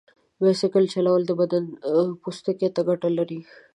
بایسکل چلول د بدن پوستکي ته ګټه لري.